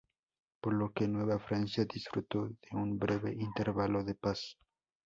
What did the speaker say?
Por lo que Nueva Francia disfrutó de un breve intervalo de paz.